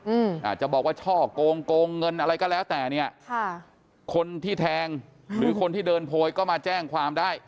อืมอาจจะบอกว่าช่อกงโกงเงินอะไรก็แล้วแต่เนี้ยค่ะคนที่แทงหรือคนที่เดินโพยก็มาแจ้งความได้